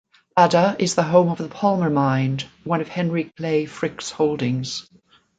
Adah is the home of the Palmer Mine, one of Henry Clay Frick's holdings.